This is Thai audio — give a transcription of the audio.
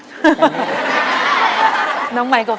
สงสารเสรี